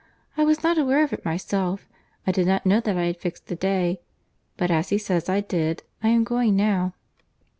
I was not aware of it myself. I did not know that I had fixed a day, but as he says I did, I am going now."